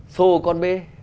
xô con bê